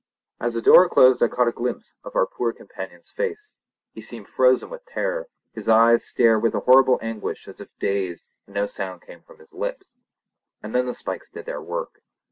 As the door closed I caught a glimpse of our poor companion's face. He seemed frozen with terror. His eyes stared with a horrible anguish as if dazed, and no sound came from his lips. And then the spikes did their work.